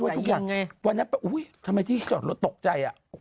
วันนั้นบอกโอ๊ยทำไมที่จอดโลกตกใจ